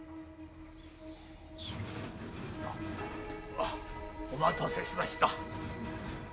あっお待たせしました。